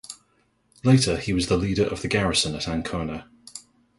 Later he was the leader of the garrison at Ancona.